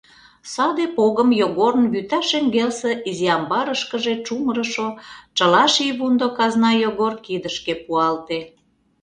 Саде погым Йогорын вӱта шеҥгелсе изи амбарышкыже чумырышо Чыла шийвундо казна Йогор кидышке пуалте.